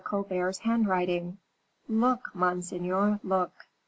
Colbert's handwriting. Look, monseigneur, look."